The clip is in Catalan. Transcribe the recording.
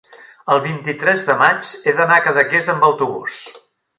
el vint-i-tres de maig he d'anar a Cadaqués amb autobús.